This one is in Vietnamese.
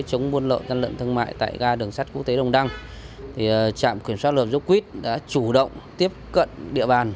thương mại tại ga đường sát quốc tế đồng đăng trạm khuyển soát lợi dốc quýt đã chủ động tiếp cận địa bàn